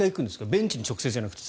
ベンチに直接じゃなくて。